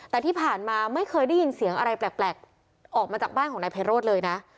แต่ที่ผ่านมาไม่เคยได้ยินเสียงอะไรแปลกออกมาจากบ้านของนายไพโรธเลยนะ